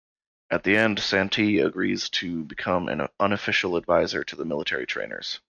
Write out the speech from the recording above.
At the end, Santee agrees to become an unofficial advisor to the military trainers.